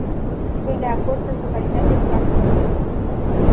Sunt de acord în totalitate cu raportorul.